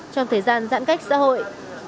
trong thời gian giãn cách xã hội